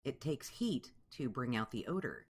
It takes heat to bring out the odor.